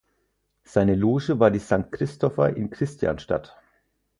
Seine Loge war die "Sankt Christopher" in Kristianstad.